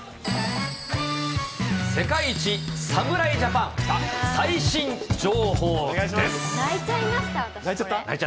世界一、侍ジャパン、最新情泣いちゃいました、私、泣いちゃった？